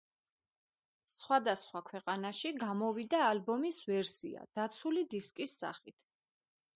სხვადასხვა ქვეყანაში გამოვიდა ალბომის ვერსია დაცული დისკის სახით.